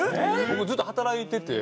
僕ずっと働いてて。